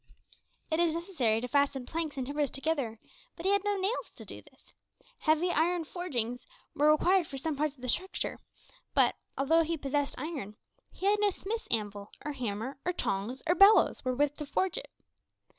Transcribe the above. It is necessary to fasten planks and timbers together, but he had no nails to do this. Heavy iron forgings were required for some parts of the structure, but, although he possessed iron, he had no smith's anvil, or hammer, or tongs, or bellows, wherewith to forge it.